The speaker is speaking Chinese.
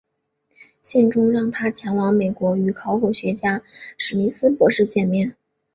信中让他前往美国与考古学家史密斯博士见面。